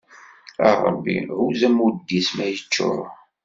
A Ṛebbi, huzz ammud-is ma iččuṛ!